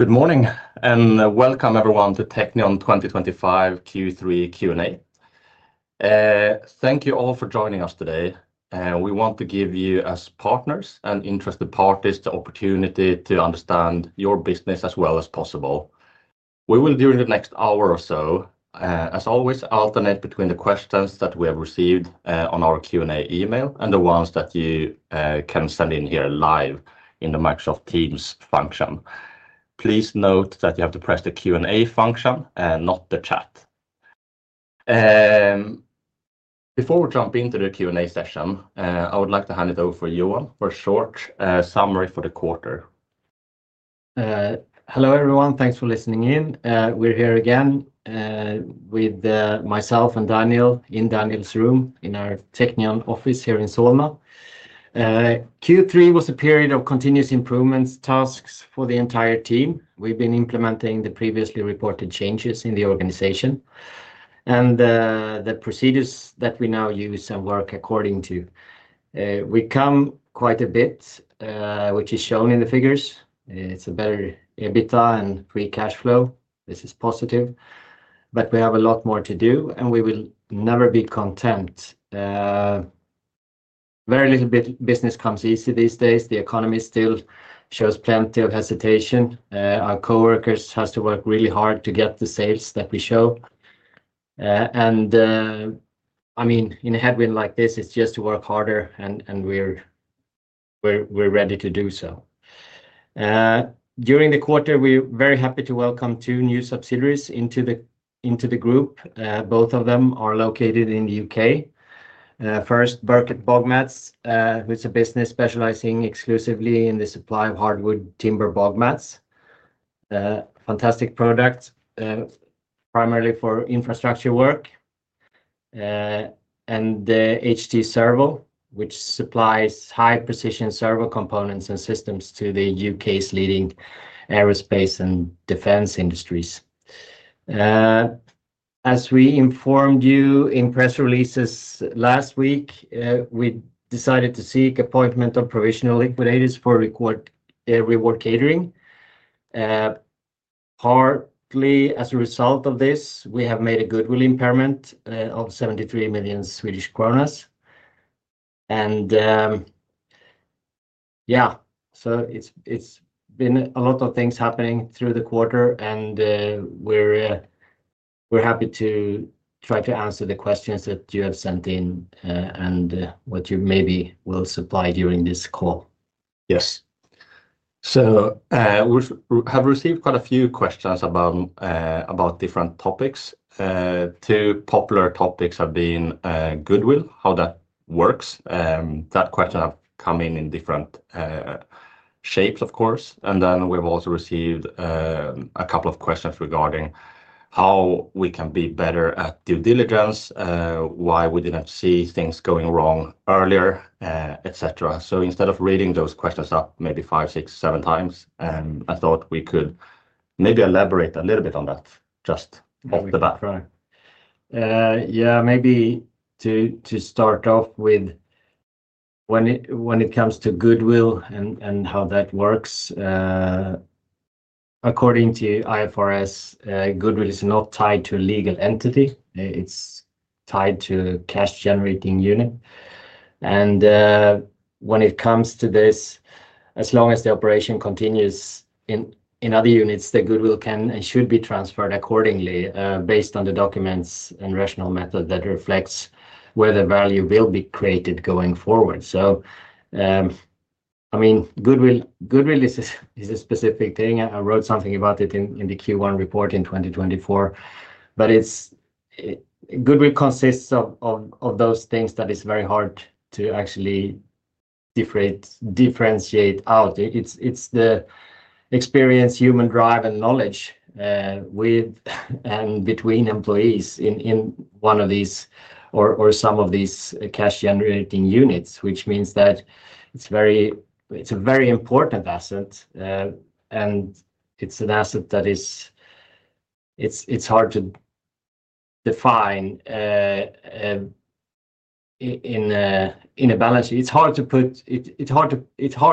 Good morning and welcome everyone to Teqnion 2025 Q3 Q&A. Thank you all for joining us today. We want to give you, as partners and interested parties, the opportunity to understand your business as well as possible. During the next hour or so, as always, we will alternate between the questions that we have received on our Q&A email and the ones that you can send in here live in the Microsoft Teams function. Please note that you have to press the Q&A function and not the chat. Before we jump into the Q&A session, I would like to hand it over to Johan for a short summary for the quarter. Hello everyone, thanks for listening in. We're here again with myself and Daniel in Daniel's room in our Teqnion office here in Solna. Q3 was a period of continuous improvement tasks for the entire team. We've been implementing the previously reported changes in the organization and the procedures that we now use and work according to. We've come quite a bit, which is shown in the figures. It's a better EBITDA and free cash flow. This is positive, but we have a lot more to do and we will never be content. Very little business comes easy these days. The economy still shows plenty of hesitation. Our coworkers have to work really hard to get the sales that we show. In a headwind like this, it's just to work harder and we're ready to do so. During the quarter, we're very happy to welcome two new subsidiaries into the group. Both of them are located in the U.K. First, Birkett Bogmats, who is a business specializing exclusively in the supply of hardwood timber bogmats. Fantastic product, primarily for infrastructure work. HT Servo, which supplies high-precision servo components and systems to the U.K.'s leading aerospace and defense industries. As we informed you in press releases last week, we decided to seek appointment of provisional liquidators for Reward Catering. Partly as a result of this, we have made a goodwill impairment of 73 million Swedish kronor. It's been a lot of things happening through the quarter and we're happy to try to answer the questions that you have sent in and what you maybe will supply during this call. Yes. We have received quite a few questions about different topics. Two popular topics have been goodwill, how that works. That question has come in in different shapes, of course. We have also received a couple of questions regarding how we can be better at due diligence, why we didn't see things going wrong earlier, etc. Instead of reading those questions up maybe five, six, seven times, I thought we could maybe elaborate a little bit on that just off the bat. Yeah, maybe to start off with when it comes to goodwill and how that works. According to IFRS, goodwill is not tied to a legal entity. It's tied to a cash-generating unit. When it comes to this, as long as the operation continues in other units, the goodwill can and should be transferred accordingly based on the documents and rational method that reflects where the value will be created going forward. Goodwill is a specific thing. I wrote something about it in the Q1 report in 2024. Goodwill consists of those things that are very hard to actually differentiate out. It's the experience, human drive, and knowledge with and between employees in one of these or some of these cash-generating units, which means that it's a very important asset. It's an asset that is hard to define in a balance sheet. It's hard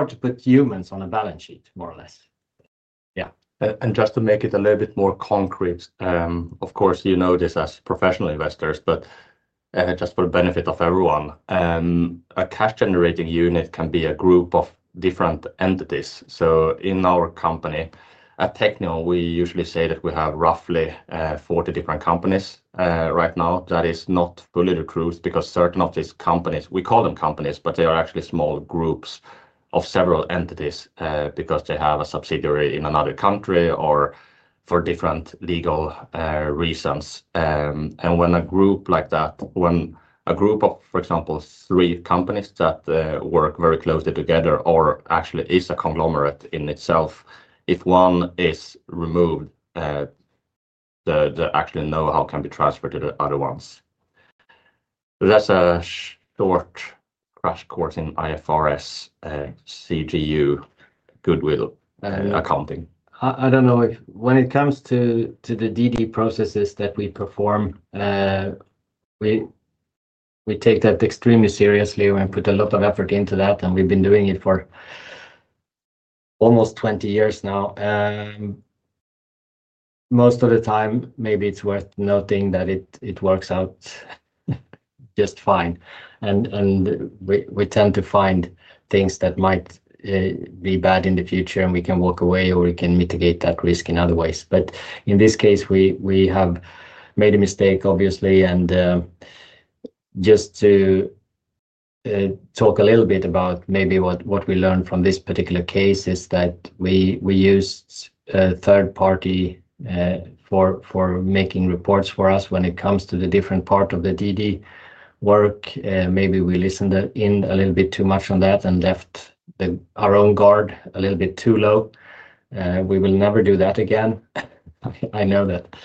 to put humans on a balance sheet, more or less. Yeah, just to make it a little bit more concrete, of course, you know this as professional investors, but just for the benefit of everyone, a cash-generating unit can be a group of different entities. In our company, at Teqnion, we usually say that we have roughly 40 different companies right now that are not fully recruited because certain of these companies, we call them companies, but they are actually small groups of several entities because they have a subsidiary in another country or for different legal reasons. When a group like that, when a group of, for example, three companies that work very closely together or actually is a conglomerate in itself, if one is removed, the actual know-how can be transferred to the other ones. That's a short crash course in IFRS, CGU, goodwill, and accounting. I don't know if when it comes to the DD processes that we perform, we take that extremely seriously. We put a lot of effort into that, and we've been doing it for almost 20 years now. Most of the time, maybe it's worth noting that it works out just fine. We tend to find things that might be bad in the future, and we can walk away or we can mitigate that risk in other ways. In this case, we have made a mistake, obviously. Just to talk a little bit about maybe what we learned from this particular case is that we use a third party for making reports for us when it comes to the different parts of the DD work. Maybe we listened in a little bit too much on that and left our own guard a little bit too low. We will never do that again. I know that.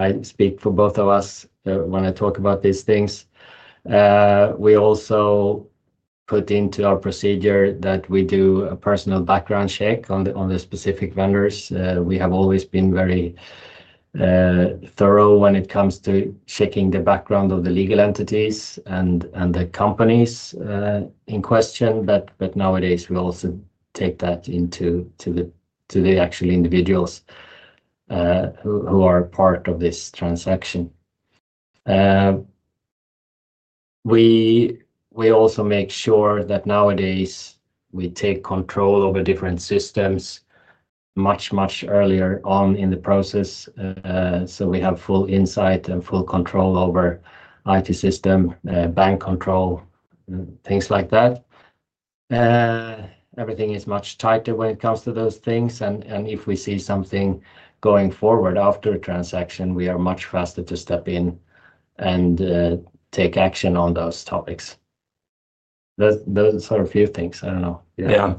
I speak for both of us when I talk about these things. We also put into our procedure that we do a personal background check on the specific vendors. We have always been very thorough when it comes to checking the background of the legal entities and the companies in question. Nowadays, we also take that to the actual individuals who are part of this transaction. We also make sure that nowadays we take control over different systems much, much earlier on in the process. We have full insight and full control over IT system, bank control, things like that. Everything is much tighter when it comes to those things. If we see something going forward after a transaction, we are much faster to step in and take action on those topics. Those are a few things. I don't know. Yeah,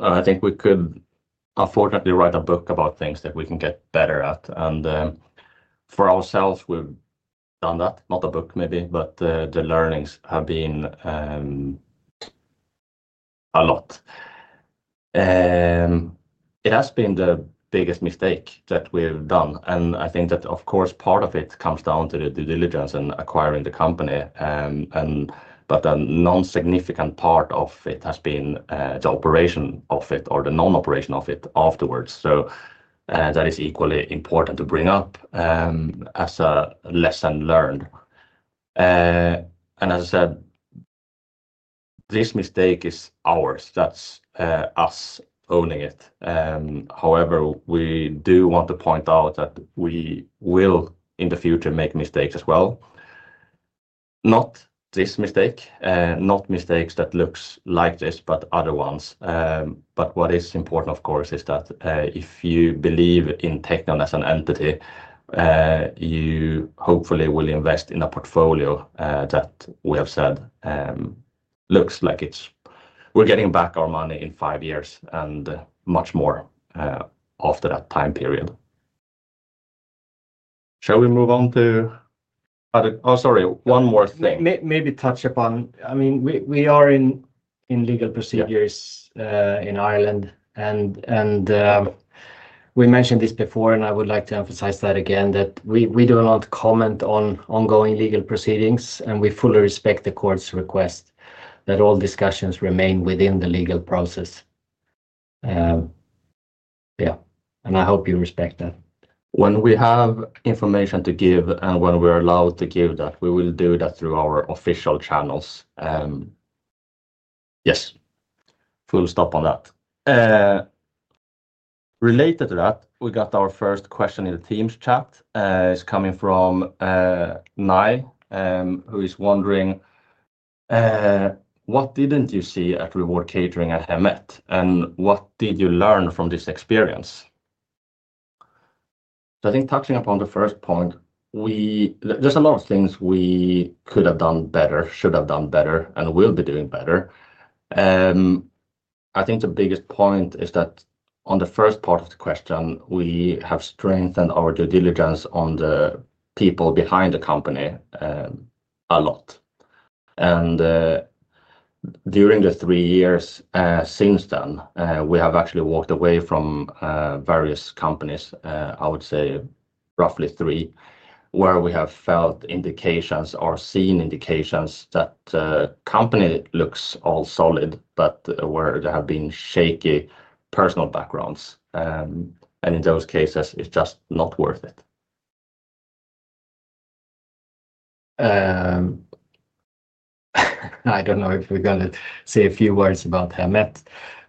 I think we could unfortunately write a book about things that we can get better at. For ourselves, we've done that. Not a book, maybe, but the learnings have been a lot. It has been the biggest mistake that we've done. I think that, of course, part of it comes down to the due diligence and acquiring the company. A non-significant part of it has been the operation of it or the non-operation of it afterwards. That is equally important to bring up as a lesson learned. As I said, this mistake is ours. That's us owning it. However, we do want to point out that we will, in the future, make mistakes as well. Not this mistake, not mistakes that look like this, but other ones. What is important, of course, is that if you believe in Teqnion as an entity, you hopefully will invest in a portfolio that we have said looks like it's we're getting back our money in five years and much more after that time period. Shall we move on? Oh, sorry, one more thing. Maybe touch upon, I mean, we are in legal procedures in Ireland. We mentioned this before, and I would like to emphasize that again, that we do not comment on ongoing legal proceedings, and we fully respect the court's request that all discussions remain within the legal process. I hope you respect that. When we have information to give and when we're allowed to give that, we will do that through our official channels. Yes, full stop on that. Related to that, we got our first question in the Teams chat. It's coming from Nai, who is wondering, what didn't you see at Reward Catering at Hemet? What did you learn from this experience? Touching upon the first point, there's a lot of things we could have done better, should have done better, and will be doing better. I think the biggest point is that on the first part of the question, we have strengthened our due diligence on the people behind the company a lot. During the three years since then, we have actually walked away from various companies, I would say roughly three, where we have felt indications or seen indications that the company looks all solid, but where there have been shaky personal backgrounds. In those cases, it's just not worth it. I don't know if we're going to say a few words about Hemet.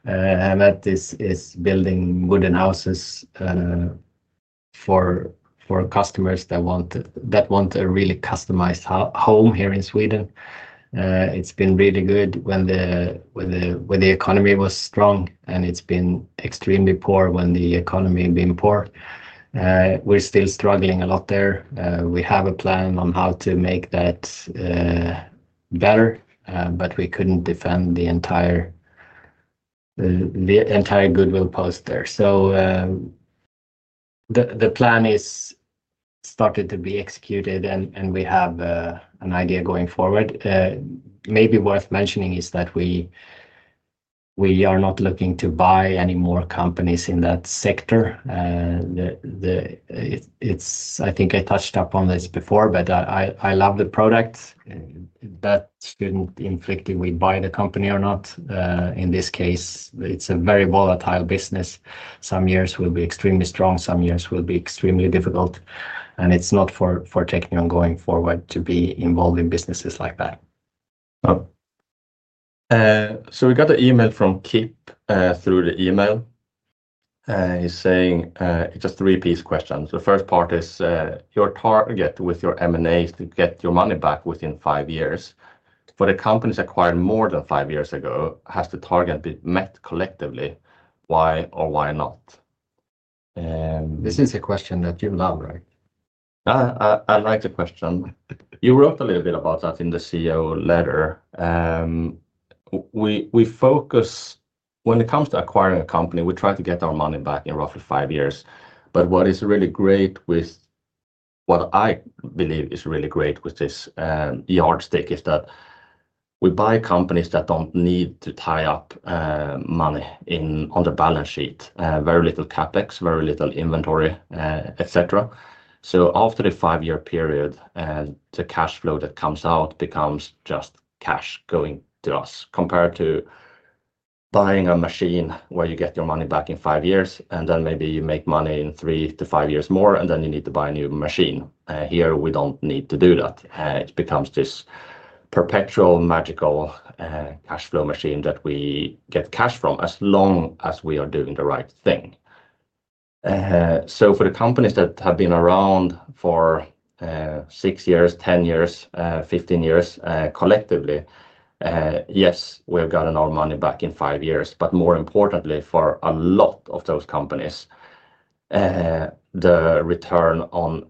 Hemet is building wooden houses for customers that want a really customized home here in Sweden. It's been really good when the economy was strong, and it's been extremely poor when the economy had been poor. We're still struggling a lot there. We have a plan on how to make that better, but we couldn't defend the entire goodwill post there. The plan is started to be executed, and we have an idea going forward. Maybe worth mentioning is that we are not looking to buy any more companies in that sector. I think I touched upon this before, but I love the product. That shouldn't inflict if we buy the company or not. In this case, it's a very volatile business. Some years will be extremely strong, some years will be extremely difficult. It's not for Teqnion going forward to be involved in businesses like that. We got an email from Kip through the email. He's saying it's a three-piece question. The first part is, your target with your M&A is to get your money back within five years. For the companies acquired more than five years ago, has the target been met collectively? Why or why not? This is a question that you love, right? I like the question. You wrote a little bit about that in the CEO letter. We focus, when it comes to acquiring a company, we try to get our money back in roughly five years. What is really great with what I believe is really great with this yardstick is that we buy companies that don't need to tie up money on the balance sheet. Very little CapEx, very little inventory, etc. After the five-year period, the cash flow that comes out becomes just cash going to us compared to buying a machine where you get your money back in five years, and then maybe you make money in three to five years more, and then you need to buy a new machine. Here, we don't need to do that. It becomes this perpetual magical cash flow machine that we get cash from as long as we are doing the right thing. For the companies that have been around for six years, 10 years, 15 years, collectively, yes, we're getting our money back in five years, but more importantly, for a lot of those companies, the return on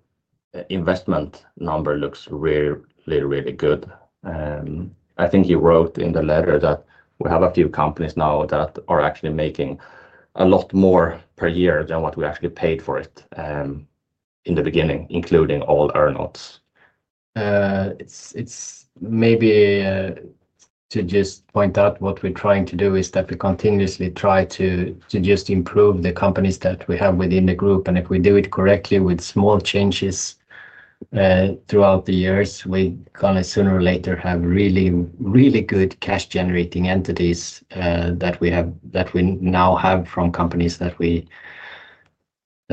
investment number looks really, really good. I think you wrote in the letter that we have a few companies now that are actually making a lot more per year than what we actually paid for it in the beginning, including all earnouts. Maybe to just point out what we're trying to do is that we continuously try to just improve the companies that we have within the group. If we do it correctly with small changes throughout the years, we're going to sooner or later have really, really good cash-generating units that we now have from companies that we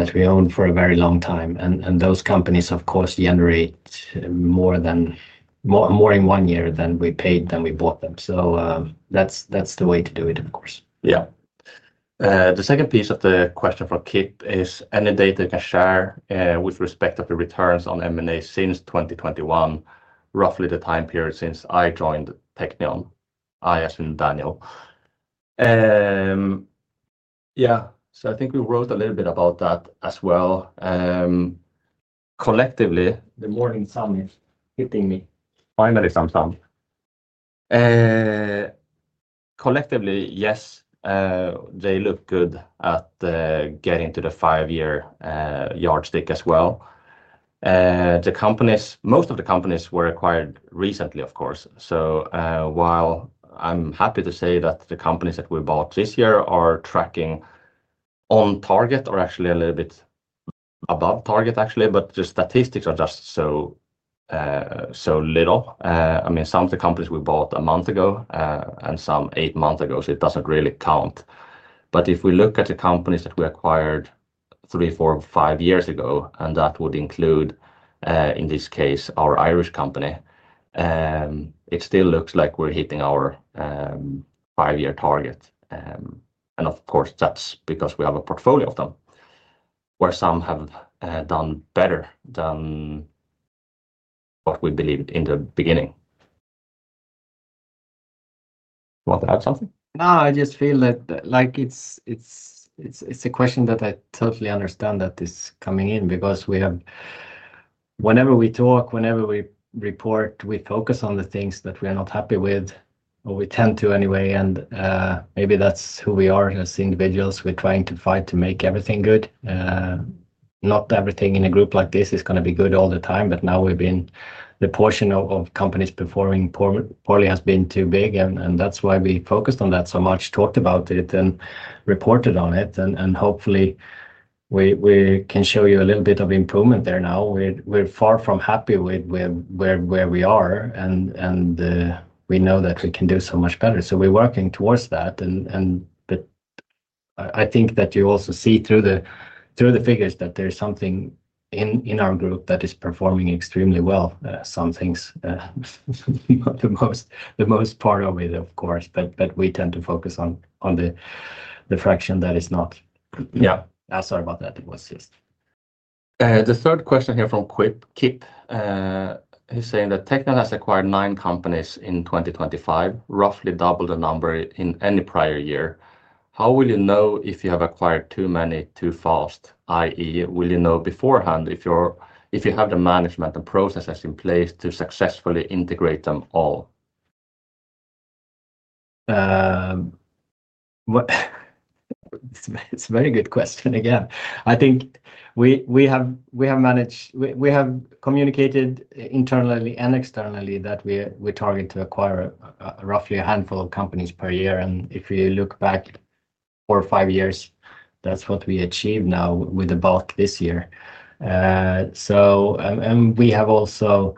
owned for a very long time. Those companies, of course, generate more in one year than we paid them when we bought them. That's the way to do it, of course. Yeah. The second piece of the question for Kip is any data you can share with respect to the returns on M&A since 2021, roughly the time period since I joined Teqnion. I as in Daniel. Yeah, I think we wrote a little bit about that as well. Collectively. The morning sun is hitting me. Finally, some sun. Collectively, yes, they look good at getting to the five-year yardstick as well. Most of the companies were acquired recently, of course. While I'm happy to say that the companies that we bought this year are tracking on target or actually a little bit above target, actually, the statistics are just so little. I mean, some of the companies we bought a month ago and some eight months ago, it doesn't really count. If we look at the companies that we acquired three, four, five years ago, and that would include, in this case, our Irish company, it still looks like we're hitting our five-year target. Of course, that's because we have a portfolio of them where some have done better than what we believed in the beginning. Want to add something? No, I just feel that it's a question that I totally understand is coming in because whenever we talk, whenever we report, we focus on the things that we are not happy with, or we tend to anyway. Maybe that's who we are as individuals. We're trying to fight to make everything good. Not everything in a group like this is going to be good all the time. Now, the portion of companies performing poorly has been too big. That's why we focused on that so much, talked about it, and reported on it. Hopefully, we can show you a little bit of improvement there now. We're far from happy with where we are, and we know that we can do so much better. We're working towards that. I think that you also see through the figures that there's something in our group that is performing extremely well. Some things, not the most part of it, of course, but we tend to focus on the fraction that is not. I'm sorry about that. It was just. The third question here from Kip, he's saying that Teqnion has acquired nine companies in 2025, roughly double the number in any prior year. How will you know if you have acquired too many too fast, i.e., will you know beforehand if you have the management and processes in place to successfully integrate them all? It's a very good question again. I think we have managed, we have communicated internally and externally that we're targeting to acquire roughly a handful of companies per year. If you look back four or five years, that's what we achieved now with the bolt this year. We have also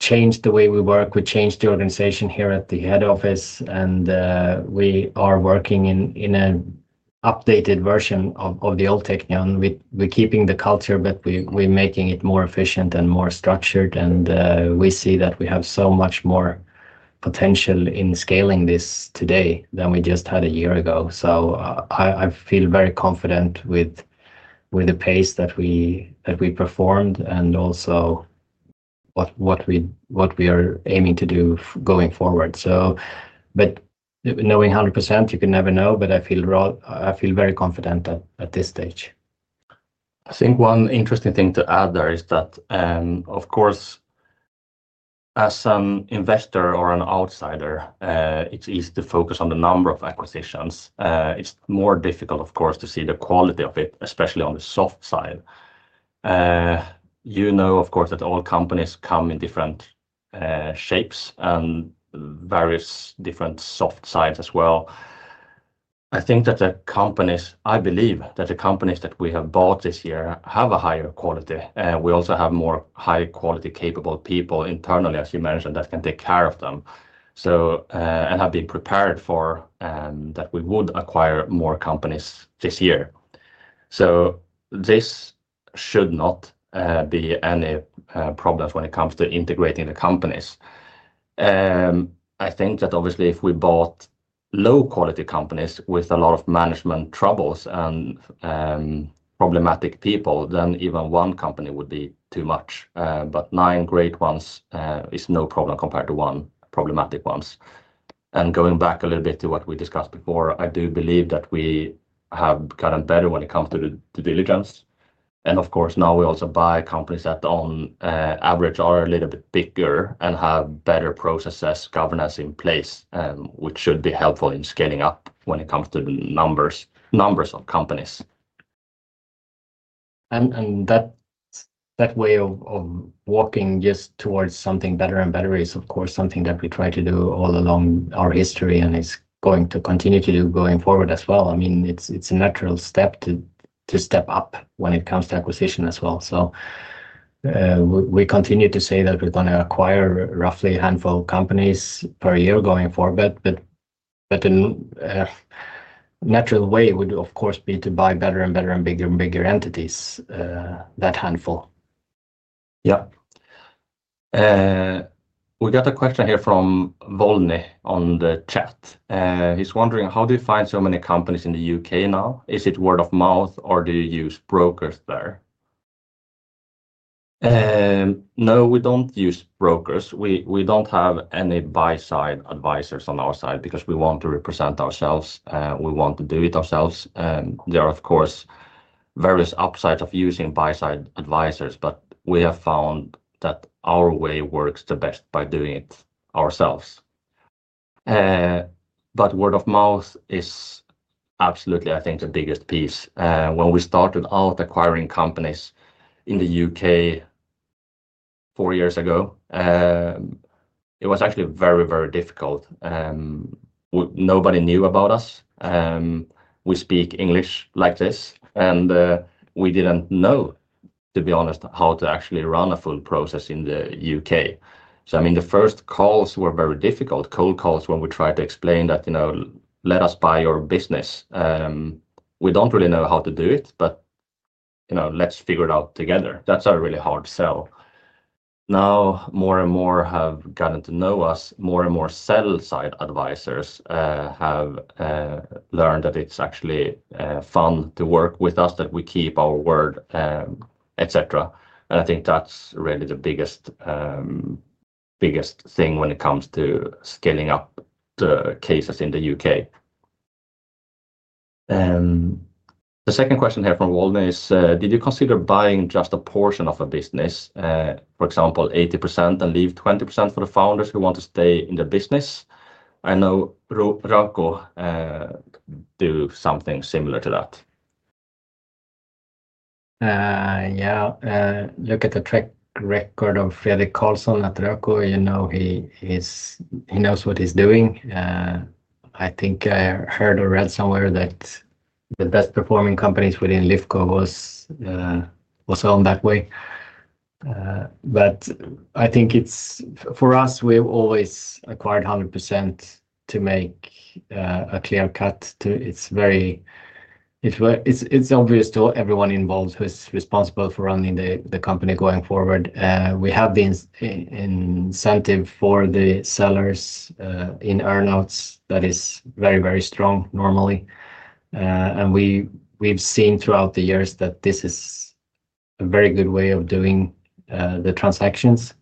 changed the way we work. We changed the organization here at the head office, and we are working in an updated version of the old Teqnion. We're keeping the culture, but we're making it more efficient and more structured. We see that we have so much more potential in scaling this today than we just had a year ago. I feel very confident with the pace that we performed and also what we are aiming to do going forward. Knowing 100%, you can never know, but I feel very confident at this stage. I think one interesting thing to add there is that, of course, as an investor or an outsider, it's easy to focus on the number of acquisitions. It's more difficult, of course, to see the quality of it, especially on the soft side. You know, of course, that all companies come in different shapes and various different soft sides as well. I think that the companies, I believe that the companies that we have bought this year have a higher quality. We also have more high-quality, capable people internally, as you mentioned, that can take care of them, and have been prepared for that we would acquire more companies this year. This should not be any problems when it comes to integrating the companies. I think that obviously if we bought low-quality companies with a lot of management troubles and problematic people, then even one company would be too much. Nine great ones is no problem compared to one problematic ones. Going back a little bit to what we discussed before, I do believe that we have gotten better when it comes to due diligence. Of course, now we also buy companies that on average are a little bit bigger and have better processes, governance in place, which should be helpful in scaling up when it comes to the numbers of companies. That way of walking just towards something better and better is, of course, something that we try to do all along our history and is going to continue to do going forward as well. I mean, it's a natural step to step up when it comes to acquisition as well. We continue to say that we're going to acquire roughly a handful of companies per year going forward. The natural way would, of course, be to buy better and better and bigger and bigger entities, that handful. Yeah. We got a question here from Volny on the chat. He's wondering, how do you find so many companies in the U.K. now? Is it word of mouth or do you use brokers there? No, we don't use brokers. We don't have any buy-side advisors on our side because we want to represent ourselves. We want to do it ourselves. There are, of course, various upsides of using buy-side advisors, but we have found that our way works the best by doing it ourselves. Word of mouth is absolutely, I think, the biggest piece. When we started out acquiring companies in the U.K. four years ago, it was actually very, very difficult. Nobody knew about us. We speak English like this, and we didn't know, to be honest, how to actually run a full process in the U.K. The first calls were very difficult, cold calls when we tried to explain that, you know, let us buy your business. We don't really know how to do it, but you know, let's figure it out together. That's a really hard sell. Now, more and more have gotten to know us. More and more sell-side advisors have learned that it's actually fun to work with us, that we keep our word, etc. I think that's really the biggest thing when it comes to scaling up the cases in the U.K. The second question here from Walden is, did you consider buying just a portion of a business, for example, 80% and leave 20% for the founders who want to stay in the business? I know Röko do something similar to that. Yeah, look at the track record of Fredrik Karlsson at Röko. You know, he knows what he's doing. I think I heard or read somewhere that the best performing companies within Lifco were sold that way. I think it's for us, we've always acquired 100% to make a clear cut. It's very, it's obvious to everyone involved who is responsible for running the company going forward. We have the incentive for the sellers in earnouts that is very, very strong normally. We've seen throughout the years that this is a very good way of doing the transactions.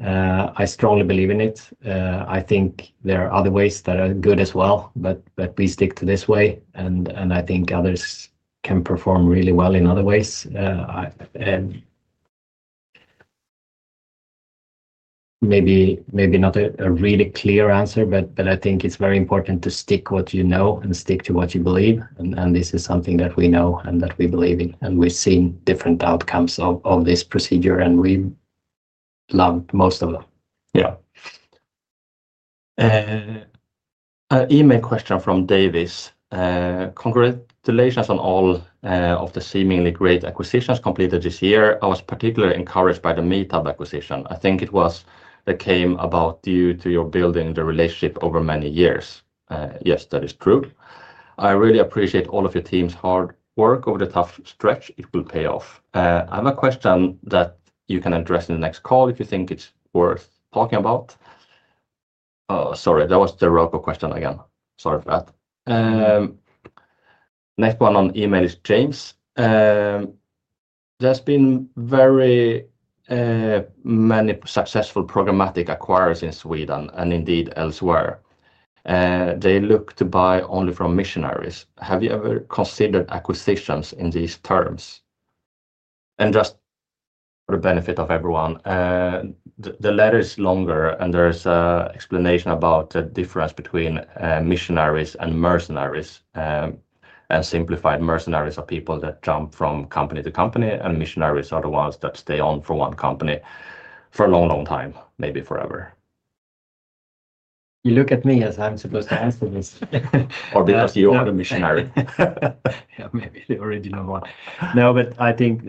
I strongly believe in it. I think there are other ways that are good as well, but we stick to this way. I think others can perform really well in other ways. Maybe not a really clear answer, but I think it's very important to stick to what you know and stick to what you believe. This is something that we know and that we believe in. We've seen different outcomes of this procedure, and we loved most of them. Yeah. An email question from Davis. Congratulations on all of the seemingly great acquisitions completed this year. I was particularly encouraged by the MITAB acquisition. I think it was that came about due to your building the relationship over many years. Yes, that is true. I really appreciate all of your team's hard work over the tough stretch. It will pay off. I have a question that you can address in the next call if you think it's worth talking about. Oh, sorry, that was the Röko question again. Sorry for that. Next one on email is James. There have been very many successful programmatic acquirers in Sweden and indeed elsewhere. They look to buy only from missionaries. Have you ever considered acquisitions in these terms? Just for the benefit of everyone, the letter is longer, and there's an explanation about the difference between missionaries and mercenaries. Simplified, mercenaries are people that jump from company to company, and missionaries are the ones that stay on for one company for a long, long time, maybe forever. You look at me as I'm supposed to answer this. Because you are the missionary. Yeah, maybe the original one. No, I think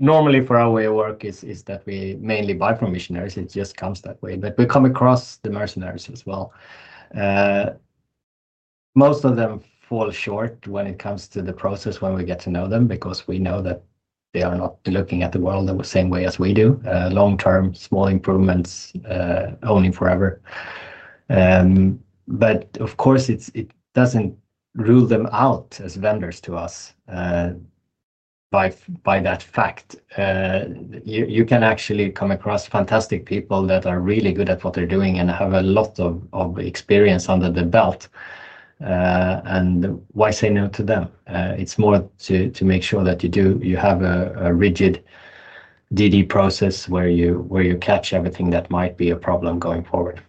normally for our way of work is that we mainly buy from missionaries. It just comes that way. We come across the mercenaries as well. Most of them fall short when it comes to the process when we get to know them because we know that they are not looking at the world the same way as we do. Long-term, small improvements, owning forever. Of course, it doesn't rule them out as vendors to us by that fact. You can actually come across fantastic people that are really good at what they're doing and have a lot of experience under their belt. Why say no to them? It's more to make sure that you do, you have a rigid DD process where you catch everything that might be a problem going forward.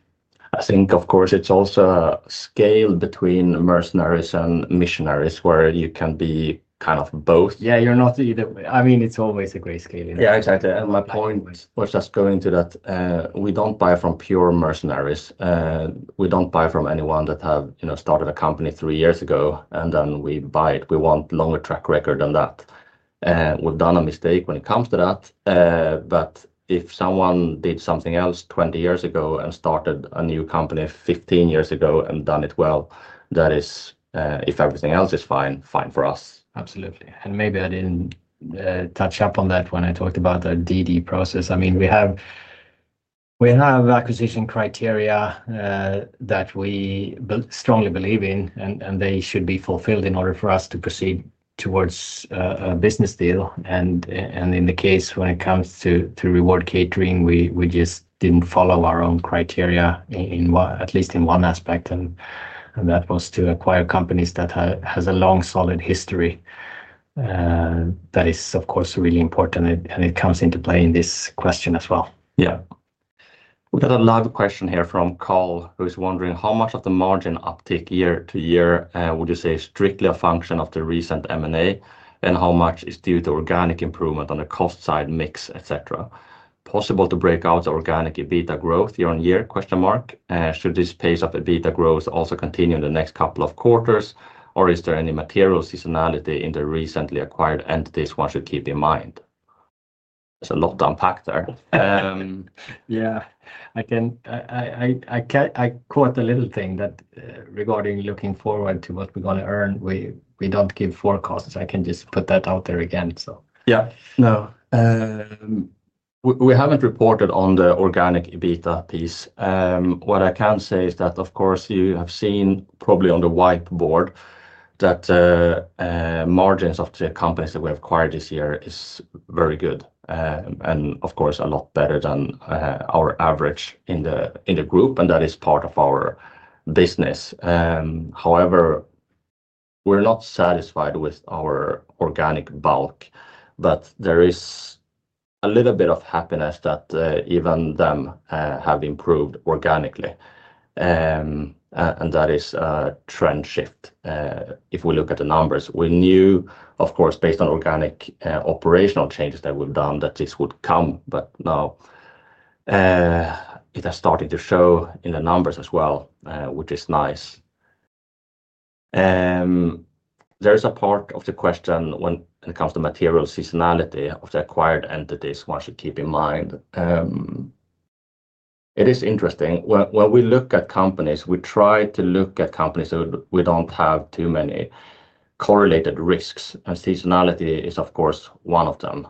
I think, of course, it's also a scale between mercenaries and missionaries where you can be kind of both. Yeah, you're not either. I mean, it's always a gray scale. Yeah, exactly. My point was just going to that we don't buy from pure mercenaries. We don't buy from anyone that has, you know, started a company three years ago, and then we buy it. We want a longer track record than that. We've done a mistake when it comes to that. If someone did something else 20 years ago and started a new company 15 years ago and done it well, that is, if everything else is fine, fine for us. Absolutely. Maybe I didn't touch up on that when I talked about the DD process. We have acquisition criteria that we strongly believe in, and they should be fulfilled in order for us to proceed towards a business deal. In the case when it comes to Reward Catering, we just didn't follow our own criteria, at least in one aspect. That was to acquire companies that have a long, solid history. That is, of course, really important, and it comes into play in this question as well. Yeah. We got another question here from Karl, who's wondering how much of the margin uptake year-to-year would you say is strictly a function of the recent M&A, and how much is due to organic improvement on the cost side, mix, etc.? Possible to break out the organic EBITDA growth year-on-year? Should this pace of EBITDA growth also continue in the next couple of quarters, or is there any material seasonality in the recently acquired entities one should keep in mind? There's a lot to unpack there. Yeah, I caught a little thing regarding looking forward to what we're going to earn. We don't give forecasts. I can just put that out there again. Yeah, no, we haven't reported on the organic EBITDA piece. What I can say is that, of course, you have seen probably on the whiteboard that the margins of the companies that we have acquired this year are very good, and of course, a lot better than our average in the group, and that is part of our business. However, we're not satisfied with our organic bulk, but there is a little bit of happiness that even them have improved organically. That is a trend shift. If we look at the numbers, we knew, of course, based on organic operational changes that we've done that this would come, but now it has started to show in the numbers as well, which is nice. There's a part of the question when it comes to material seasonality of the acquired entities one should keep in mind. It is interesting. When we look at companies, we try to look at companies so we don't have too many correlated risks, and seasonality is, of course, one of them.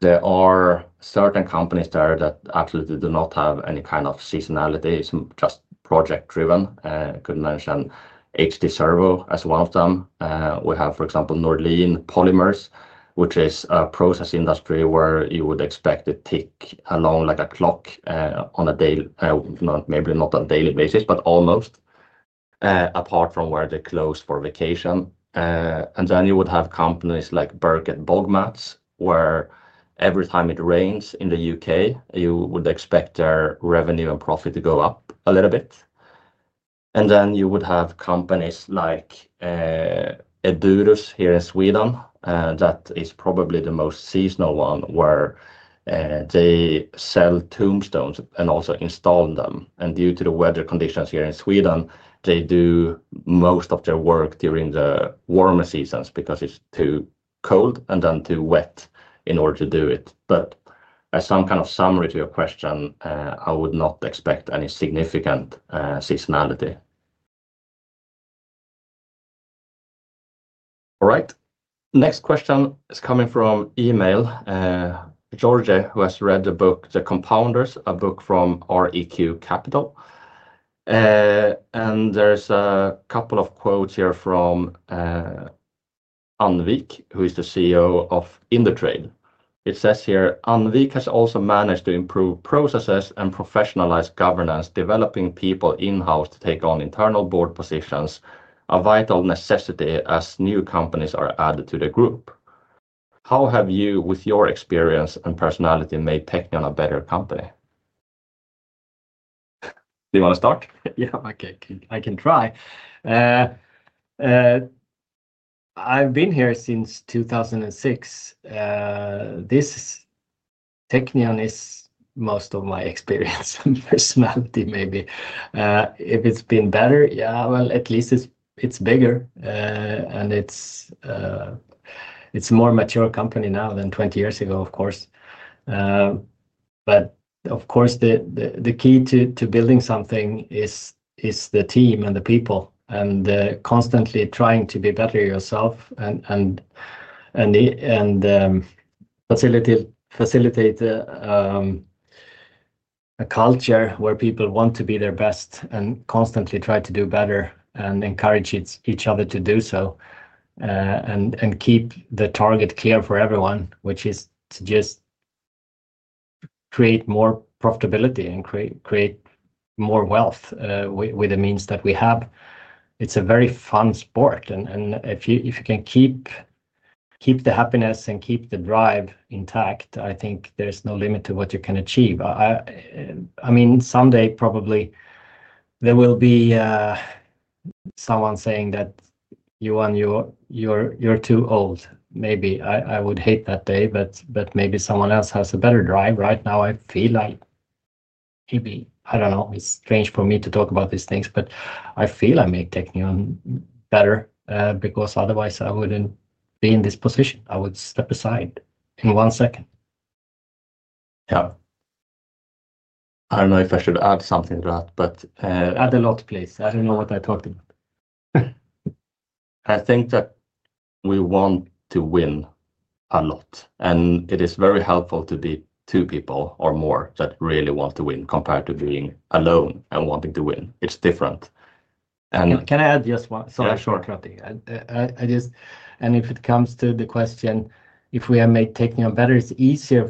There are certain companies there that absolutely do not have any kind of seasonality. It's just project-driven. I could mention HT Servo as one of them. We have, for example, Norlin Polymers, which is a process industry where you would expect to tick along like a clock on a daily, maybe not on a daily basis, but almost, apart from where they close for vacation. You would have companies like Birkett Bogmats, where every time it rains in the U.K., you would expect their revenue and profit to go up a little bit. You would have companies like Edurus here in Sweden, and that is probably the most seasonal one, where they sell tombstones and also install them. Due to the weather conditions here in Sweden, they do most of their work during the warmer seasons because it's too cold and then too wet in order to do it. As some kind of summary to your question, I would not expect any significant seasonality. All right. Next question is coming from email, Georgia, who has read the book The Compounders, a book from REQ Capital. There's a couple of quotes here from Annvik, who is the CEO of Indutrade. It says here, Annvik has also managed to improve processes and professionalize governance, developing people in-house to take on internal board positions, a vital necessity as new companies are added to the group. How have you, with your experience and personality, made Teqnion a better company? Do you want to start? Yeah, I can try. I've been here since 2006. This Teqnion is most of my experience and personality, maybe. If it's been better, at least it's bigger, and it's a more mature company now than 20 years ago, of course. Of course, the key to building something is the team and the people and constantly trying to be better yourself and facilitate a culture where people want to be their best and constantly try to do better and encourage each other to do so and keep the target clear for everyone, which is to just create more profitability and create more wealth with the means that we have. It's a very fun sport. If you can keep the happiness and keep the drive intact, I think there's no limit to what you can achieve. I mean, someday probably there will be someone saying that, "Johan, you're too old." Maybe I would hate that day, but maybe someone else has a better drive. Right now, I feel like maybe, I don't know, it's strange for me to talk about these things, but I feel I make Teqnion better because otherwise I wouldn't be in this position. I would step aside in one second. Yeah, I don't know if I should add something to that. Add a lot, please. I don't know what I talked about. I think that we want to win a lot, and it is very helpful to be two people or more that really want to win compared to being alone and wanting to win. It's different. Can I add just one? Sorry, short, not the... If it comes to the question, if we have made Teqnion better, it's easier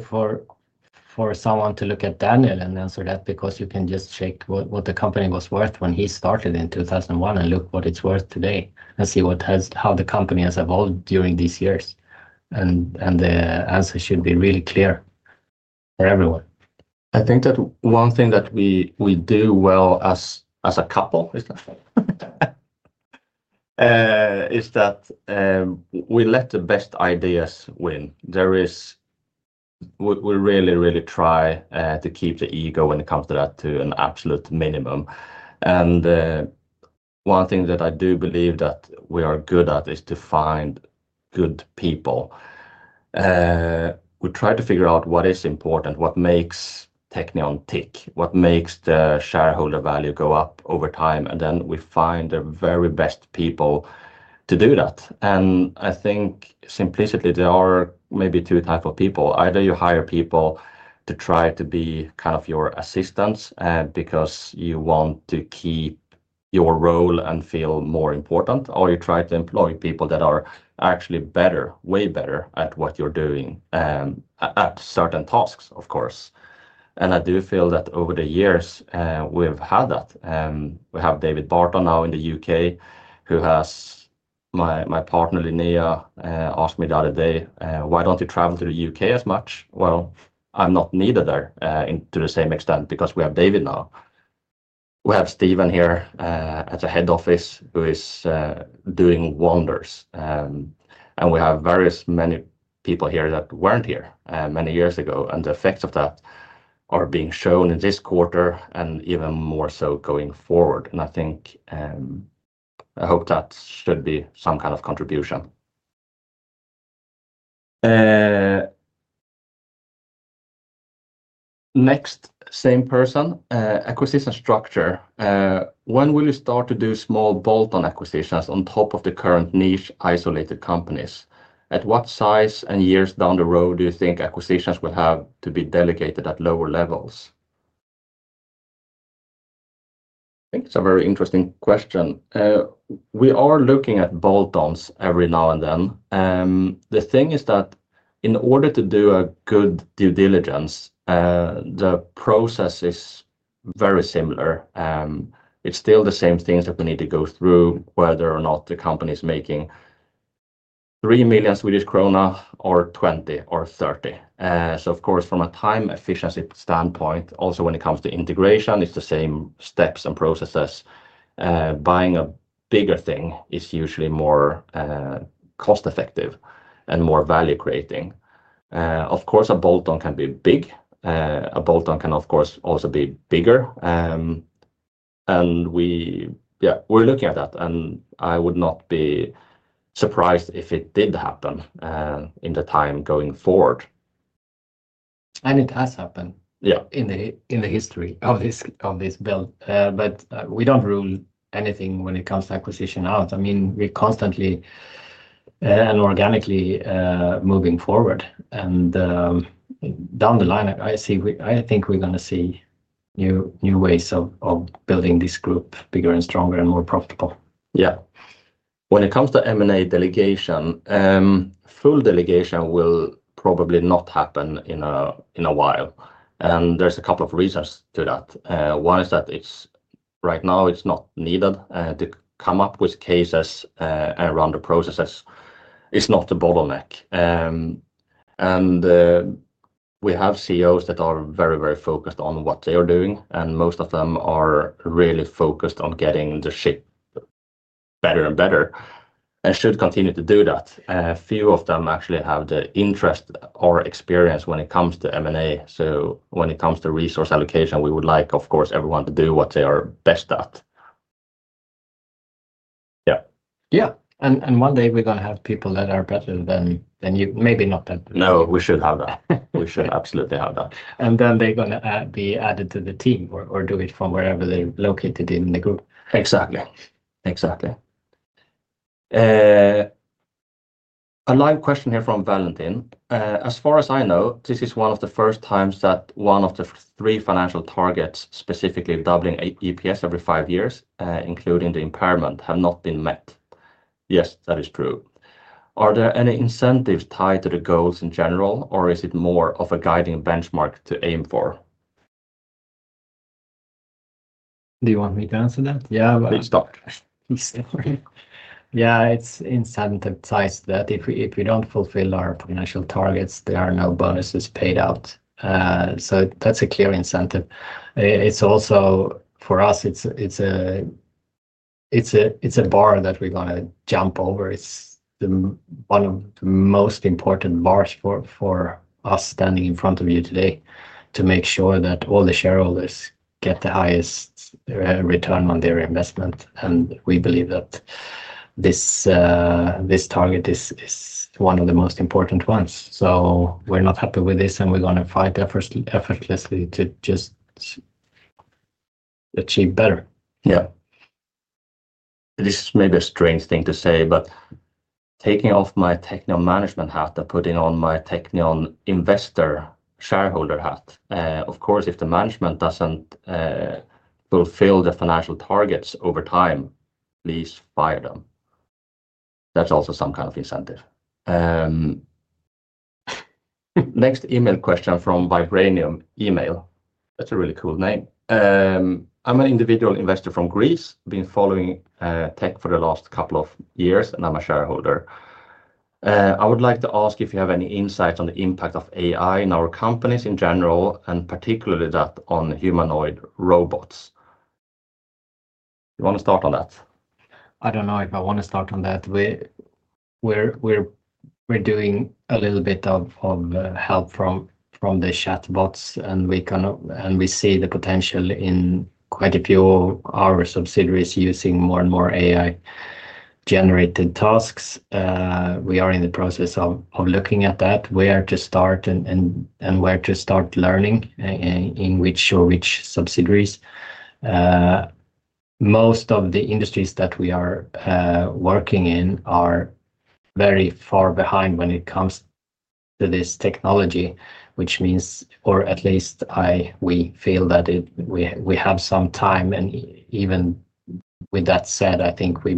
for someone to look at Daniel and answer that because you can just check what the company was worth when he started in 2001 and look what it's worth today and see how the company has evolved during these years. The answer should be really clear for everyone. I think that one thing that we do well as a couple is that we let the best ideas win. We really, really try to keep the ego when it comes to that to an absolute minimum. One thing that I do believe that we are good at is to find good people. We try to figure out what is important, what makes Teqnion tick, what makes the shareholder value go up over time. Then we find the very best people to do that. I think simply, there are maybe two types of people. Either you hire people to try to be kind of your assistants because you want to keep your role and feel more important, or you try to employ people that are actually better, way better at what you're doing at certain tasks, of course. I do feel that over the years, we've had that. We have David Barton now in the U.K., who has, my partner Linnea asked me the other day, "Why don't you travel to the U.K. as much?" I'm not there to the same extent because we have David now. We have Steven here at the head office who is doing wonders. We have various many people here that weren't here many years ago. The effects of that are being shown in this quarter and even more so going forward. I think I hope that should be some kind of contribution. Next, same person. Acquisition structure. When will you start to do small bolt-on acquisitions on top of the current niche isolated companies? At what size and years down the road do you think acquisitions will have to be delegated at lower levels? I think it's a very interesting question. We are looking at bolt-ons every now and then. The thing is that in order to do a good due diligence, the process is very similar. It's still the same things that we need to go through, whether or not the company is making 3 million Swedish krona or 20 million or 30 million. Of course, from a time efficiency standpoint, also when it comes to integration, it's the same steps and processes. Buying a bigger thing is usually more cost-effective and more value-creating. Of course, a bolt-on can be big. A bolt-on can, of course, also be bigger. We are looking at that. I would not be surprised if it did happen in the time going forward. It has happened in the history of this build. We don't rule anything out when it comes to acquisition. I mean, we're constantly and organically moving forward. Down the line, I think we're going to see new ways of building this group bigger and stronger and more profitable. Yeah. When it comes to M&A delegation, full delegation will probably not happen in a while. There are a couple of reasons for that. One is that right now it's not needed to come up with cases and run the processes. It's not the bottleneck. We have CEOs that are very, very focused on what they are doing. Most of them are really focused on getting the ship better and better and should continue to do that. Few of them actually have the interest or experience when it comes to M&A. When it comes to resource allocation, we would like, of course, everyone to do what they are best at. Yeah. One day we're going to have people that are better than you. Maybe not better. No, we should have that. We should absolutely have that. They are going to be added to the team or do it from wherever they're located in the group. Exactly. Exactly. A live question here from Valentin. As far as I know, this is one of the first times that one of the three financial targets, specifically doubling EPS every five years, including the impairment, have not been met. Yes, that is true. Are there any incentives tied to the goals in general, or is it more of a guiding benchmark to aim for? Do you want me to answer that? Yeah. Please start. Yeah, it's incentive tied to that. If we don't fulfill our financial targets, there are no bonuses paid out. That's a clear incentive. It's also for us, it's a bar that we're going to jump over. It's one of the most important bars for us standing in front of you today to make sure that all the shareholders get the highest return on their investment. We believe that this target is one of the most important ones. We're not happy with this, and we're going to fight effortlessly to just achieve better. Yeah. This is maybe a strange thing to say, but taking off my Teqnion management hat and putting on my Teqnion investor shareholder hat. Of course, if the management doesn't fulfill the financial targets over time, please fire them. That's also some kind of incentive. Next email question from Vibranium email. That's a really cool name. I'm an individual investor from Greece. I've been following tech for the last couple of years, and I'm a shareholder. I would like to ask if you have any insights on the impact of AI in our companies in general, and particularly that on humanoid robots. You want to start on that? I don't know if I want to start on that. We're doing a little bit of help from the chatbots, and we see the potential in quite a few of our subsidiaries using more and more AI-generated tasks. We are in the process of looking at that, where to start and where to start learning in which or which subsidiaries. Most of the industries that we are working in are very far behind when it comes to this technology, which means, or at least we feel that we have some time. Even with that said, I think we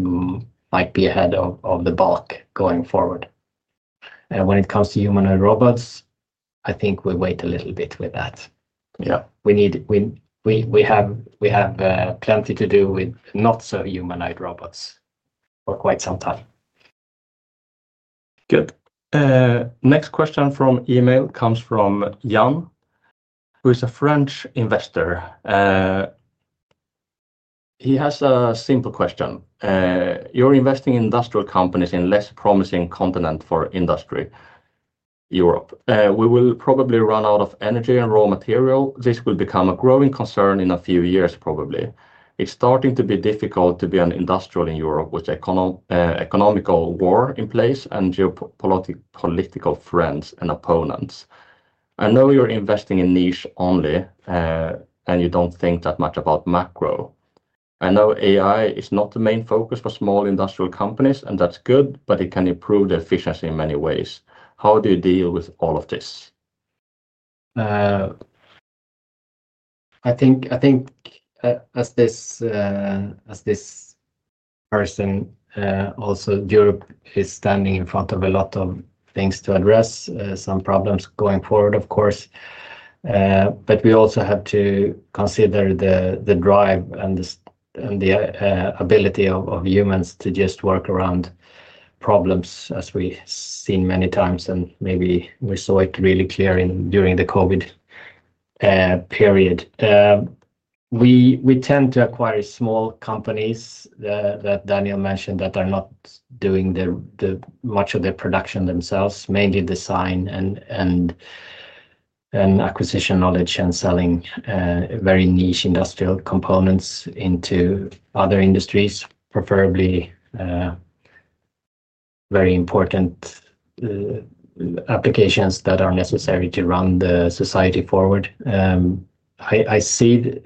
might be ahead of the bulk going forward. When it comes to humanoid robots, I think we wait a little bit with that. We need, we have plenty to do with not-so-humanoid robots for quite some time. Good. Next question from email comes from Yan, who is a French investor. He has a simple question. You're investing in industrial companies in less promising continent for industry, Europe. We will probably run out of energy and raw material. This will become a growing concern in a few years, probably. It's starting to be difficult to be an industrial in Europe with economical war in place and geopolitical friends and opponents. I know you're investing in niche only, and you don't think that much about macro. I know AI is not the main focus for small industrial companies, and that's good, but it can improve the efficiency in many ways. How do you deal with all of this? I think as this person, also Europe is standing in front of a lot of things to address, some problems going forward, of course. We also have to consider the drive and the ability of humans to just work around problems, as we've seen many times, and maybe we saw it really clearly during the COVID period. We tend to acquire small companies that Daniel mentioned that are not doing much of the production themselves, mainly design and acquisition knowledge and selling very niche industrial components into other industries, preferably very important applications that are necessary to run the society forward. I see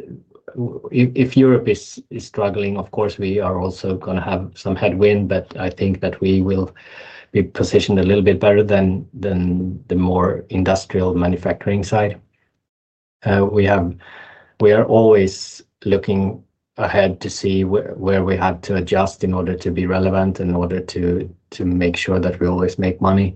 if Europe is struggling, of course, we are also going to have some headwind, but I think that we will be positioned a little bit better than the more industrial manufacturing side. We are always looking ahead to see where we had to adjust in order to be relevant, in order to make sure that we always make money.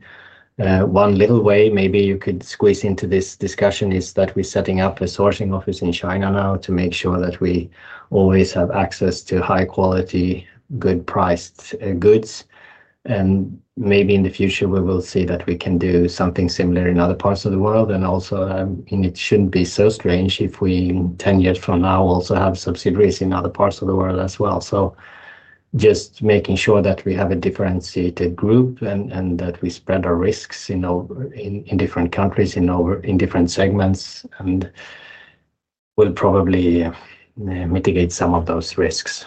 One little way maybe you could squeeze into this discussion is that we're setting up a sourcing office in China now to make sure that we always have access to high quality, good priced goods. Maybe in the future, we will see that we can do something similar in other parts of the world. It shouldn't be so strange if we, 10 years from now, also have subsidiaries in other parts of the world as well. Just making sure that we have a differentiated group and that we spread our risks in different countries, in different segments, and we'll probably mitigate some of those risks.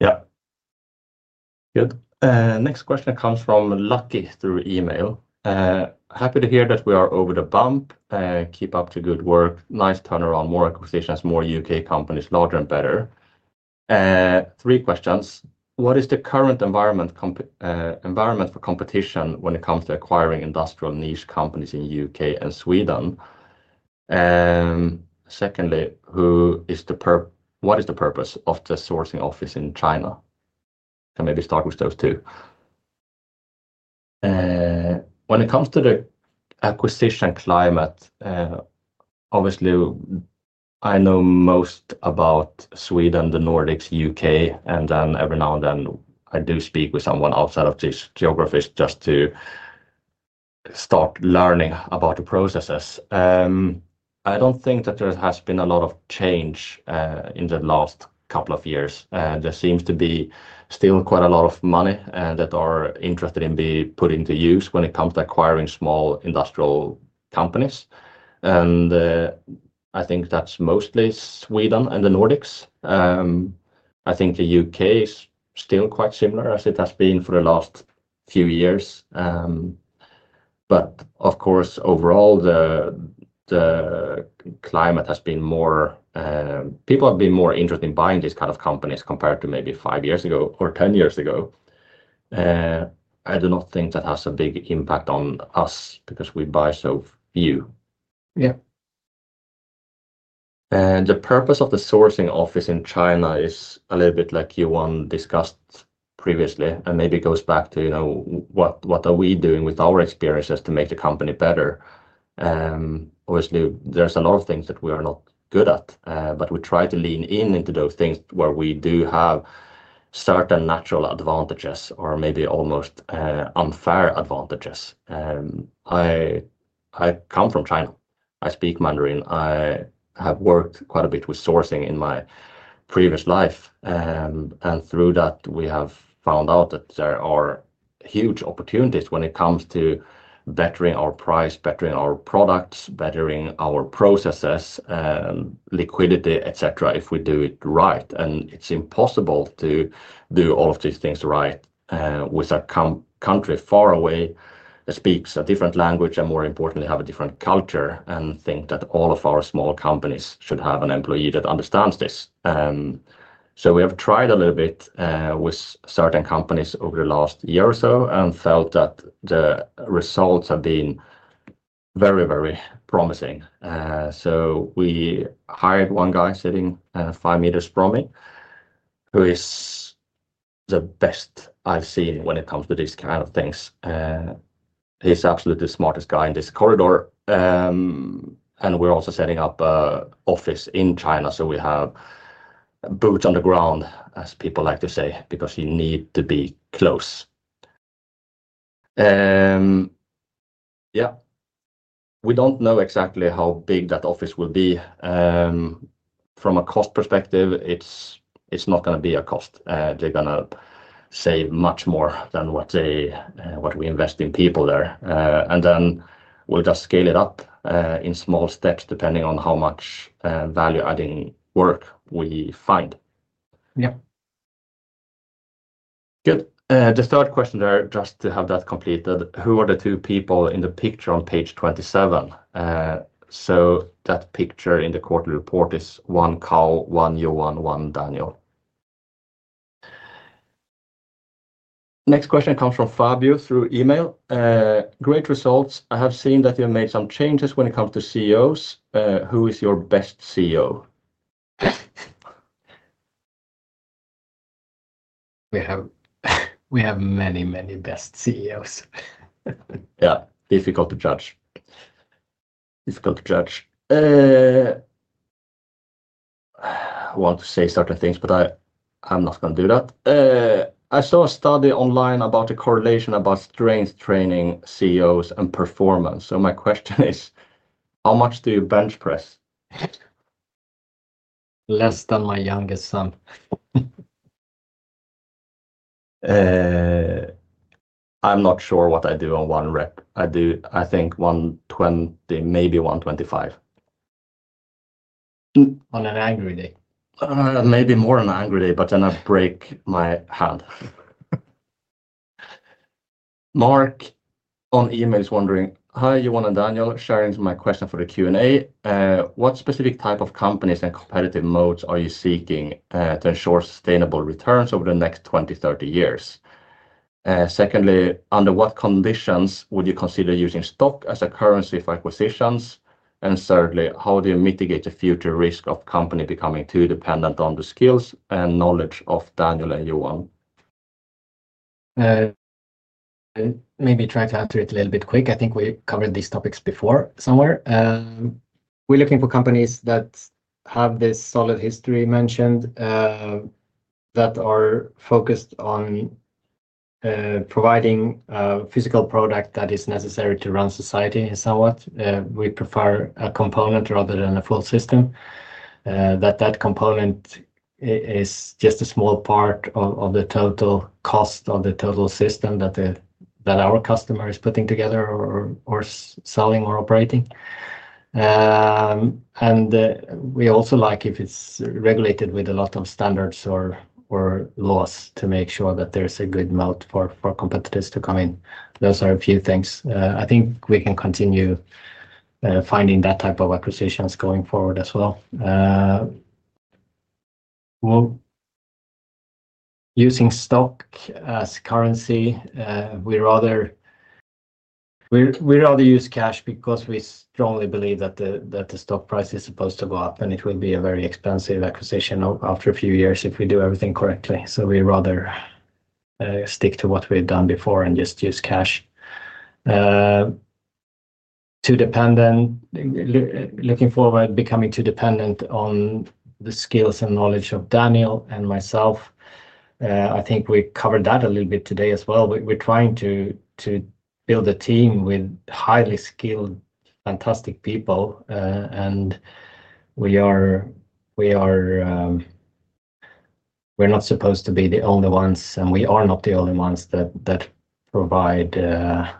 Yeah. Good. Next question comes from Lucky through email. Happy to hear that we are over the bump. Keep up the good work. Nice turnaround, more acquisitions, more U.K. companies, larger and better. Three questions. What is the current environment for competition when it comes to acquiring industrial niche companies in the U.K. and Sweden? Secondly, what is the purpose of the sourcing office in China? Can maybe start with those two. When it comes to the acquisition climate, obviously, I know most about Sweden, the Nordics, U.K., and then every now and then I do speak with someone outside of this geography just to start learning about the processes. I don't think that there has been a lot of change in the last couple of years. There seems to be still quite a lot of money that are interested in being put into use when it comes to acquiring small industrial companies. I think that's mostly Sweden and the Nordics. I think the U.K. is still quite similar as it has been for the last few years. Of course, overall, the climate has been more... People have been more interested in buying these kinds of companies compared to maybe five years ago or 10 years ago. I do not think that has a big impact on us because we buy so few. Yeah. The purpose of the sourcing office in China is a little bit like Johan discussed previously, and maybe it goes back to what are we doing with our experiences to make the company better? Obviously, there's a lot of things that we are not good at, but we try to lean in into those things where we do have certain natural advantages or maybe almost unfair advantages. I come from China. I speak Mandarin. I have worked quite a bit with sourcing in my previous life. Through that, we have found out that there are huge opportunities when it comes to bettering our price, bettering our products, bettering our processes, liquidity, etc., if we do it right. It's impossible to do all of these things right with a country far away that speaks a different language and, more importantly, has a different culture and thinks that all of our small companies should have an employee that understands this. We have tried a little bit with certain companies over the last year or so and felt that the results have been very, very promising. We hired one guy sitting 5 m from me, who is the best I've seen when it comes to these kinds of things. He's absolutely the smartest guy in this corridor. We're also setting up an office in China, so we have boots on the ground, as people like to say, because you need to be close. We don't know exactly how big that office will be. From a cost perspective, it's not going to be a cost. They're going to save much more than what we invest in people there. We'll just scale it up in small steps, depending on how much value-adding work we find. Yeah. Good. The third question there, just to have that completed, who are the two people in the picture on page 27? That picture in the quarterly report is one Karl, one Johan, one Daniel. Next question comes from Fabio through email. Great results. I have seen that you have made some changes when it comes to CEOs. Who is your best CEO? We have many, many best CEOs. Difficult to judge. Difficult to judge. I want to say certain things, but I'm not going to do that. I saw a study online about a correlation about strength training CEOs and performance. My question is, how much do you bench press? Less than my youngest son. I'm not sure what I do on one rep. I do, I think, 120, maybe 125. On an angry day. Maybe more on an angry day, but then I break my hand. Mark on email is wondering, "Hi, Johan and Daniel, sharing my question for the Q&A. What specific type of companies and competitive modes are you seeking to ensure sustainable returns over the next 20, 30 years? Secondly, under what conditions would you consider using stock as a currency for acquisitions? Thirdly, how do you mitigate the future risk of the company becoming too dependent on the skills and knowledge of Daniel and Johan?" Maybe trying to answer it a little bit quick. I think we covered these topics before somewhere. We're looking for companies that have this solid history mentioned that are focused on providing a physical product that is necessary to run society somewhat. We prefer a component rather than a full system. That component is just a small part of the total cost of the total system that our customer is putting together or selling or operating. We also like if it's regulated with a lot of standards or laws to make sure that there's a good moat for competitors to come in. Those are a few things. I think we can continue finding that type of acquisitions going forward as well. Using stock as currency, we'd rather use cash because we strongly believe that the stock price is supposed to go up, and it will be a very expensive acquisition after a few years if we do everything correctly. We'd rather stick to what we've done before and just use cash. Too dependent, looking forward, becoming too dependent on the skills and knowledge of Daniel and myself. I think we covered that a little bit today as well. We're trying to build a team with highly skilled, fantastic people. We're not supposed to be the only ones, and we are not the only ones that provide, I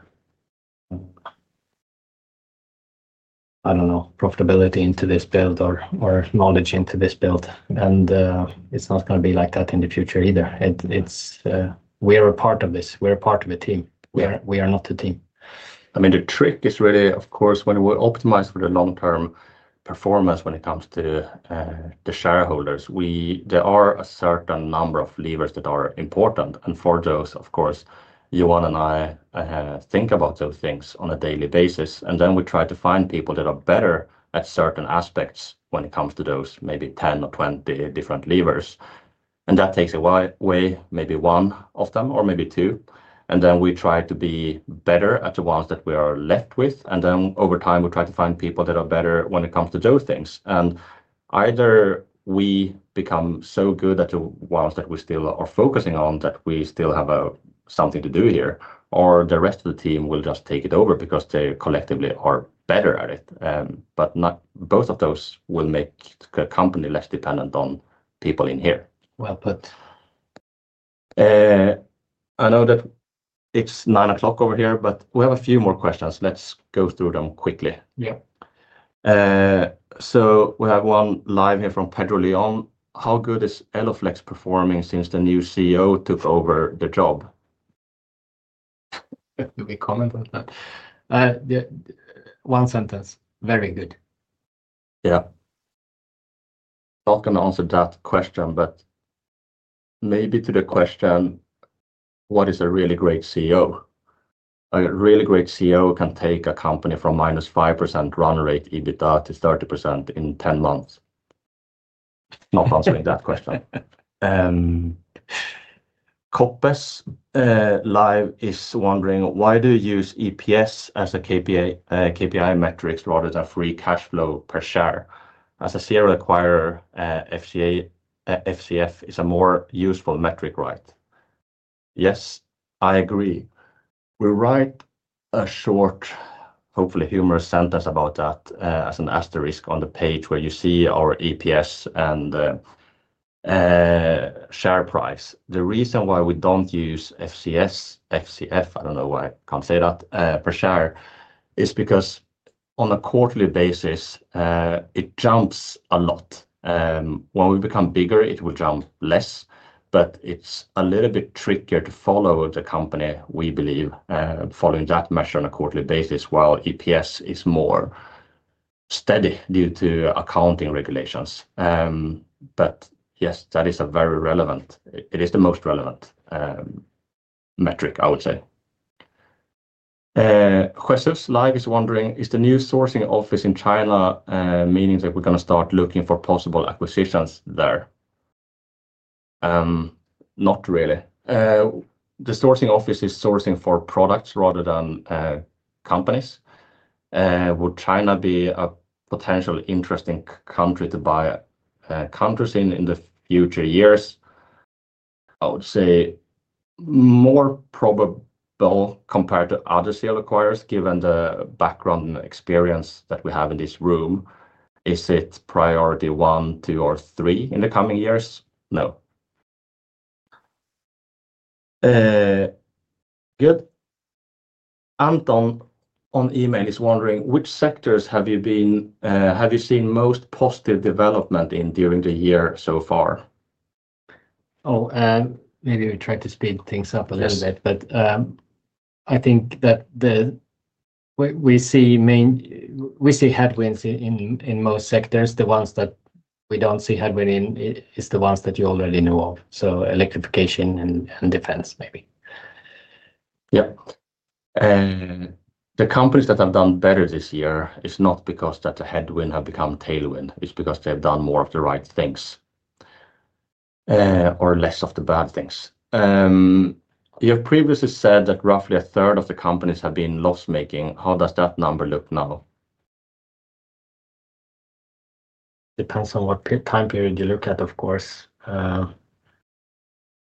don't know, profitability into this build or knowledge into this build. It's not going to be like that in the future either. We're a part of this. We're a part of a team. We are not a team. I mean, the trick is really, of course, when we optimize for the long-term performance when it comes to the shareholders, there are a certain number of levers that are important. For those, of course, Johan and I think about those things on a daily basis. We try to find people that are better at certain aspects when it comes to those, maybe 10 or 20 different levers. That takes a while, maybe one of them, or maybe two. We try to be better at the ones that we are left with. Over time, we try to find people that are better when it comes to those things. Either we become so good at the ones that we still are focusing on that we still have something to do here, or the rest of the team will just take it over because they collectively are better at it. Both of those will make the company less dependent on people in here. Well put. I know that it's 9:00 over here, but we have a few more questions. Let's go through them quickly. Yeah. We have one live here from Pedro Leon. How good is Eloflex performing since the new CEO took over the job? Do we comment on that? One sentence. Very good. Yeah. Not going to answer that question, but maybe to the question, what is a really great CEO? A really great CEO can take a company from -5% run rate EBITDA to 30% in 10 months. Not answering that question. Koppes live is wondering, why do you use EPS as a KPI metric rather than free cash flow per share? As a serial acquirer, FCF is a more useful metric, right? Yes, I agree. We write a short, hopefully humorous sentence about that as an asterisk on the page where you see our EPS and share price. The reason why we don't use FCF per share is because on a quarterly basis, it jumps a lot. When we become bigger, it will jump less. It's a little bit trickier to follow the company, we believe, following that measure on a quarterly basis while EPS is more steady due to accounting regulations. Yes, that is a very relevant, it is the most relevant metric, I would say. Jessus live is wondering, is the new sourcing office in China meaning that we're going to start looking for possible acquisitions there? Not really. The sourcing office is sourcing for products rather than companies. Would China be a potentially interesting country to buy companies in in the future years? I would say more probable compared to other serial acquirers, given the background and experience that we have in this room. Is it priority one, two, or three in the coming years? No. Good. Anton on email is wondering, which sectors have you seen most positive development in during the year so far? Maybe we tried to speed things up a little bit, but I think that we see headwinds in most sectors. The ones that we don't see headwind in are the ones that you already knew of. Electrification and defense, maybe. The companies that have done better this year is not because the headwind has become tailwind. It's because they have done more of the right things or less of the bad things. You have previously said that roughly 1/3 of the companies have been loss-making. How does that number look now? Depends on what time period you look at, of course.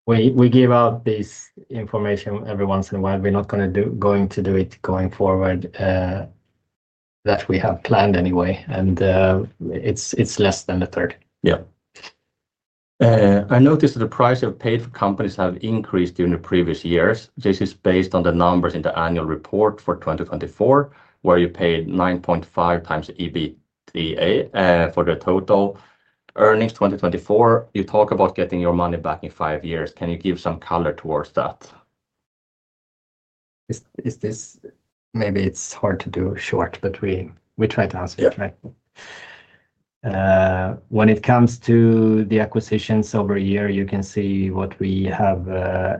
We give out this information every once in a while. We're not going to do it going forward, that we have planned anyway. It's less than 1/3. Yeah. I noticed that the price you have paid for companies has increased during the previous years. This is based on the numbers in the annual report for 2024, where you paid 9.5x EBITDA for the total earnings 2024. You talk about getting your money back in five years. Can you give some color towards that? Maybe it's hard to do short, but we try to answer it right. When it comes to the acquisitions over a year, you can see what we have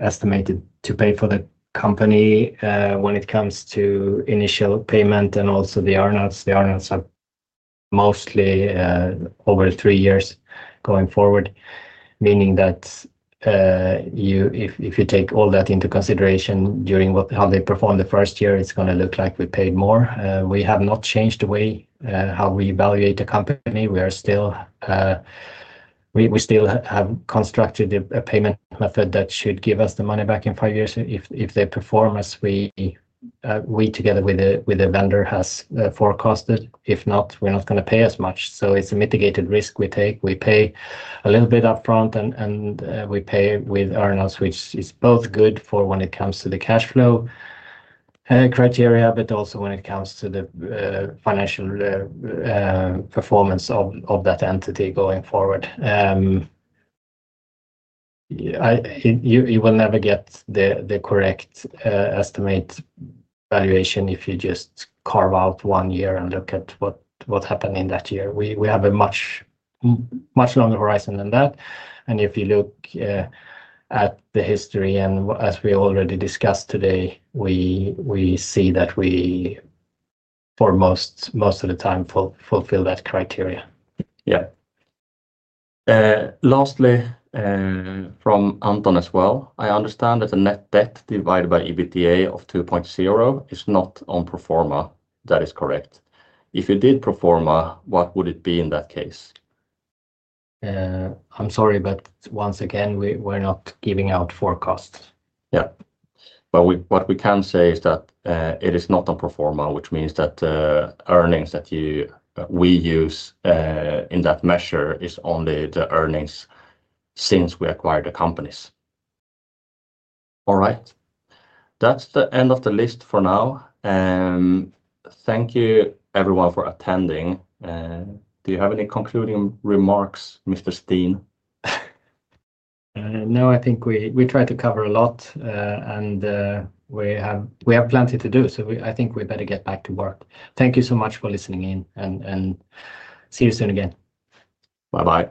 estimated to pay for the company when it comes to initial payment and also the earnouts. The earnouts are mostly over three years going forward, meaning that if you take all that into consideration during how they performed the first year, it's going to look like we paid more. We have not changed the way how we evaluate the company. We still have constructed a payment method that should give us the money back in five years if the performance we, together with the vendor, have forecasted. If not, we're not going to pay as much. It's a mitigated risk we take. We pay a little bit upfront and we pay with earnouts, which is both good for when it comes to the cash flow criteria, but also when it comes to the financial performance of that entity going forward. You will never get the correct estimate valuation if you just carve out one year and look at what happened in that year. We have a much, much longer horizon than that. If you look at the history and as we already discussed today, we see that we for most of the time fulfill that criteria. Yeah. Lastly, from Anton as well, I understand that the net debt divided by EBITDA of 2.0 is not on pro forma. That is correct. If you did pro forma, what would it be in that case? I'm sorry, but once again, we're not giving out forecasts. Yeah. What we can say is that it is not on proforma, which means that the earnings that we use in that measure are only the earnings since we acquired the companies. All right. That's the end of the list for now. Thank you, everyone, for attending. Do you have any concluding remarks, Mr. Steene? No, I think we tried to cover a lot, and we have plenty to do. I think we better get back to work. Thank you so much for listening in, and see you soon again. Bye-bye.